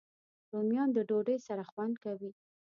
رومیان د ډوډۍ سره خوند کوي